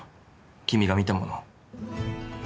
君が見たもの。